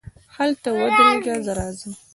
هلته ودرېږه، زه راځم.